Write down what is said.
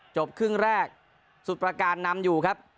จบครึ่งแรกสุดประการนำอยู่ครับ